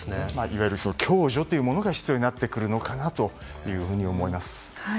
いわゆる共助というものが必要になってくるのかなと思います。